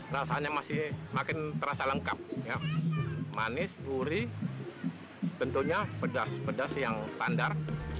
rasanya masih makin terasa lengkap manis gurih tentunya pedas pedas yang standar